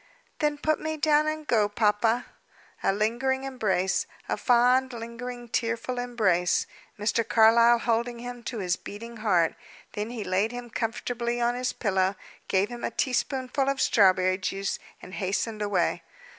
"Then put me down, and go, papa." A lingering embrace a fond, lingering, tearful embrace Mr. Carlyle holding him to his beating heart, then he laid him comfortably on his pillow, gave him a teaspoonful of strawberry juice, and hastened away.